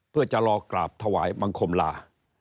เพื่อจะรอกราบถวายบังคมลา